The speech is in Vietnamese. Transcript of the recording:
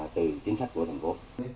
từ chính sách của thành phố